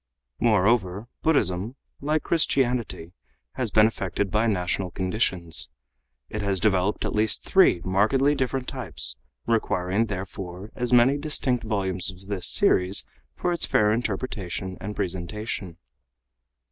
Moreover Buddhism, like Christianity, has been affected by national conditions. It has developed at least three markedly different types, requiring, therefore, as many distinct volumes of this series for its fair interpretation and presentation.